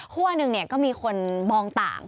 หนึ่งก็มีคนมองต่าง